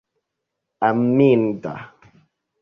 aminda